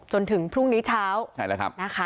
จนถึงพรุ่งนี้เช้า